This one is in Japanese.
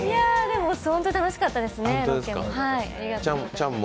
本当に楽しかったですね、ロケも。